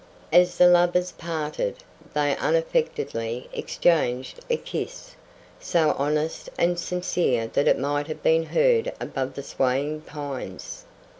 As the lovers parted, they unaffectedly exchanged a kiss, so honest and sincere that it might have been heard above the swaying pines.